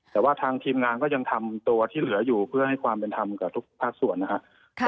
แต่ว่าทางทีมงานก็ยังทำตัวที่เหลืออยู่เพื่อให้ความเป็นธรรมกับทุกภาคส่วนนะครับ